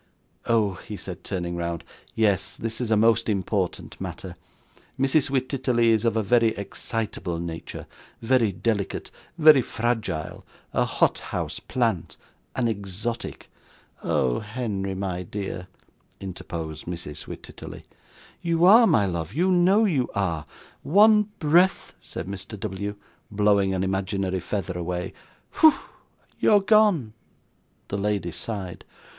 'Oh!' he said, turning round, 'yes. This is a most important matter. Mrs Wititterly is of a very excitable nature; very delicate, very fragile; a hothouse plant, an exotic.' 'Oh! Henry, my dear,' interposed Mrs. Wititterly. 'You are, my love, you know you are; one breath ' said Mr. W., blowing an imaginary feather away. 'Pho! you're gone!' The lady sighed.